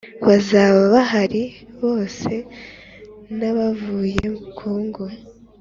Bazaba bahari bose nabavuye congo